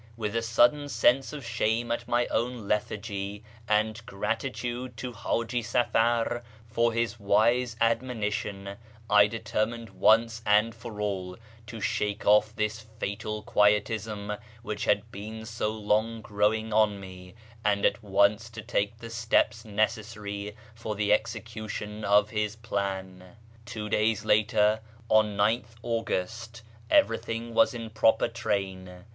With a sudden sense of shame at my own lethargy, and gratitude to Haji Safar for his wise admonition, I deter mined once and for all to shake off this fatal quietism which had been so long growing on me, and at once to take the steps necessary for the execution of his plan. Tw'O days later, on 9 th August, everything was in proper train.